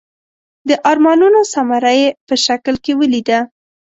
د ارمانونو ثمره یې په شکل کې ولیده.